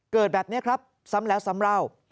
เกิดแบบนี้ครับซ้ำแล้วซ้ำเล่า